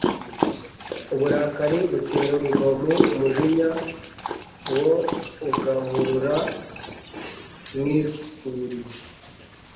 Uburakari butera urugomo umujinya wo ugahurura nk’isuri